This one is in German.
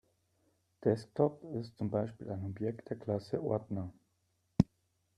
Desktop ist zum Beispiel ein Objekt der Klasse Ordner.